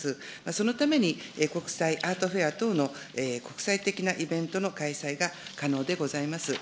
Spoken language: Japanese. そのために、国際アートフェア等の国際的なイベントの開催が可能でございます。